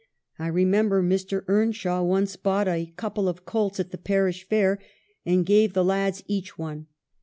" I remember Mr. Earnshaw once bought a couple of colts at the parish fair, and gave the 236 EMILY BRONTE. lads each one.